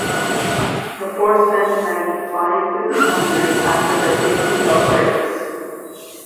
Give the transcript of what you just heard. The force sends Maggie flying through the sunroof after her safety belt breaks.